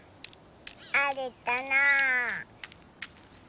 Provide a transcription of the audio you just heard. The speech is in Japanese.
あるかな？